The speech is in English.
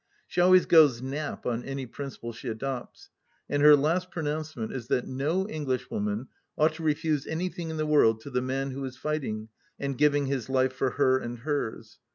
She always goes Nap on any principle she adopts, and her last pronouncement is that no English woman ought to refuse anything in the world to the man who is fighting and giving his life for her and hers.